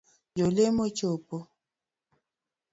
Jo lemo chopo